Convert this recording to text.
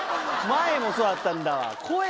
前もそうだったんだ。